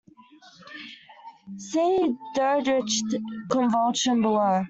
See Dirichlet convolution, below.